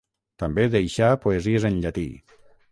També deixà poesies en llatí.